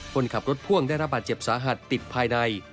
คนขับรถพ่วงได้รับบาดเจ็บสาหัสติดภายใน